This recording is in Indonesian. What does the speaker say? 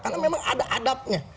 karena memang ada adabnya